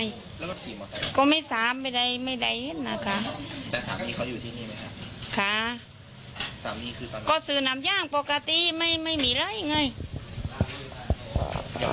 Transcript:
แล้วก็ขี่มาไหน่อยก็ไม่สามารถไปใดไม่ไดเลยนะคะ